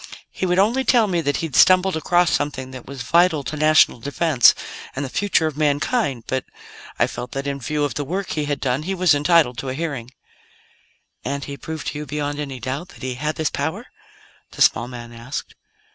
He would only tell me that he'd stumbled across something that was vital to national defense and the future of mankind; but I felt that, in view of the work he had done, he was entitled to a hearing." "And he proved to you, beyond any doubt, that he had this power?" the small man asked.